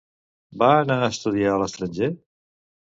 Va anar a estudiar a l'estranger?